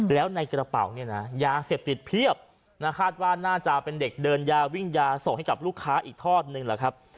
แล้วในกระเป๋าเนี่ยนะยาเสพติดเพียบคาดว่าน่าจะเป็นเด็กเดินยาวิ่งยาส่งให้กับลูกค้าอีกทอดนึงแหละครับ